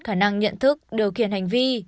khả năng nhận thức điều khiển hành vi